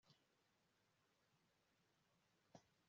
bari mu myitozo y ibanze y Abasirikare